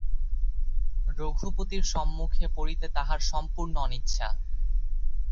রঘুপতির সম্মুখে পড়িতে তাঁহার সম্পূর্ণ অনিচ্ছা।